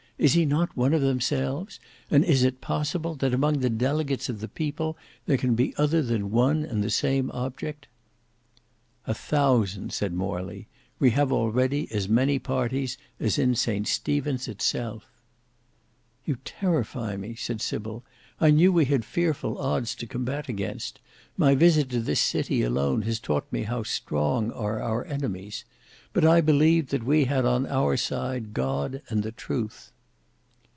"Is he not one of themselves! And is it possible, that among the delegates of the People there can be other than one and the same object?" "A thousand," said Morley; "we have already as many parties as in St Stephen's itself." "You terrify me," said Sybil. "I knew we had fearful odds to combat against. My visit to this city alone has taught me how strong are our enemies. But I believed that we had on our side God and Truth."